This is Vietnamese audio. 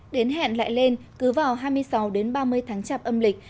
đến hẹn lại lên cứ vào hai mươi sáu đến ba mươi tháng chạp âm lịch